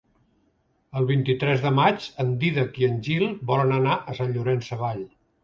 El vint-i-tres de maig en Dídac i en Gil volen anar a Sant Llorenç Savall.